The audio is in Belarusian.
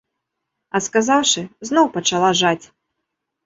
А сказаўшы, зноў пачала жаць.